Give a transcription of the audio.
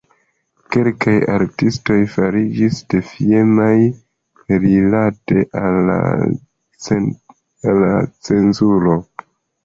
Kelkaj artistoj fariĝis defiemaj rilate al la cenzuro.